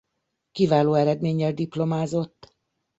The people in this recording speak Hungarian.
Kiváló eredménnyel diplomázott.